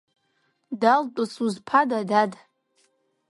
Далтәыс узԥада, дад?